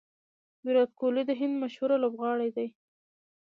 ویرات کهولي د هند مشهوره لوبغاړی دئ.